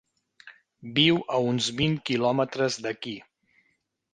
Viu a uns vint quilòmetres d'aquí.